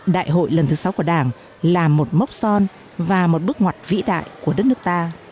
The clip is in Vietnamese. đại hội lần thứ sáu của đảng là một mốc son và một bước ngoặt vĩ đại của đất nước ta